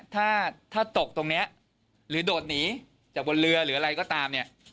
ถ้าถ้าตกตรงนี้หรือโดดหนีจากบนเรือหรืออะไรก็ตามเนี่ย